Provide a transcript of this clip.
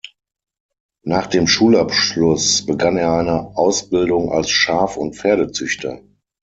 Nach dem Schulabschluss begann er eine Ausbildung als Schaf- und Pferdezüchter.